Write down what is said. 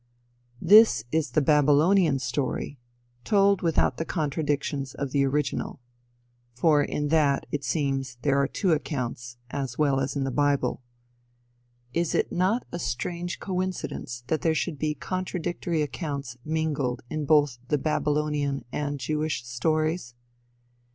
This is the Babylonian story, told without the contradictions of the original. For in that, it seems, there are two accounts, as well as in the bible. Is it not a strange coincidence that there should be contradictory accounts mingled in both the Babylonian and Jewish stories?